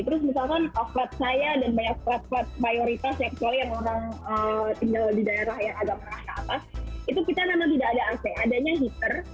terus misalkan off road saya dan banyak off road off road mayoritas ya kecuali yang orang tinggal di daerah yang agak merah ke atas itu kita namanya tidak ada ac adanya heater